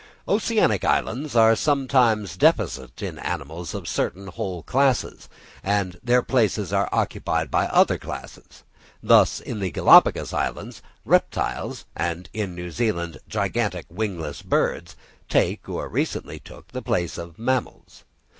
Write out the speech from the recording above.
Oceanic islands are sometimes deficient in animals of certain whole classes, and their places are occupied by other classes; thus in the Galapagos Islands reptiles, and in New Zealand gigantic wingless birds, take, or recently took, the place of mammals.